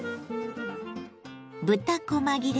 豚こま切れ